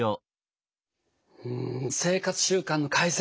うん生活習慣の改善。